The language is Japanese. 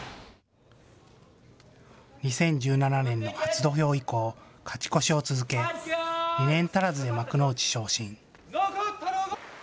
２０１７年の初土俵以降、勝ち越しを続け２年足らずで幕内昇進。